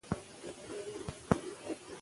ټولنیزې رسنۍ ځوانانو ته معلومات ورکوي.